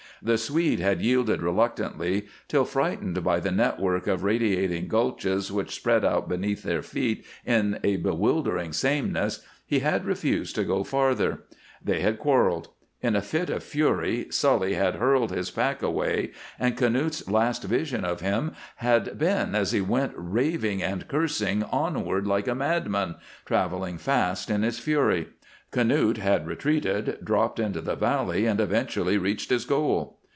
The Swede had yielded reluctantly till, frightened by the network of radiating gulches which spread out beneath their feet in a bewildering sameness, he had refused to go farther. They had quarreled. In a fit of fury Sully had hurled his pack away, and Knute's last vision of him had been as he went raving and cursing onward like a madman, traveling fast in his fury. Knute had retreated, dropped into the valley, and eventually reached his goal.